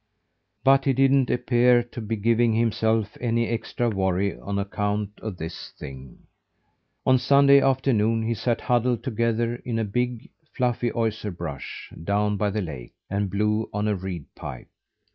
But he didn't appear to be giving himself any extra worry on account of this thing. On Sunday afternoon he sat huddled together in a big, fluffy osier bush, down by the lake, and blew on a reed pipe.